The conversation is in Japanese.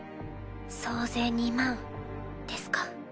総勢２万ですか。